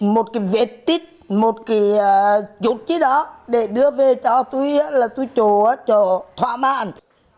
một cái vệ tích một cái chút chút đó để đưa về cho tôi là tôi chú cho thỏa mãn